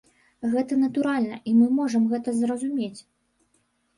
Гэта натуральна, і мы можам гэта зразумець.